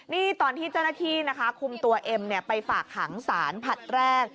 นี่ตอนที่เจ้าหน้าที่นะคะคุมตัวเอ็มไปฝากขังสารผลัดแรก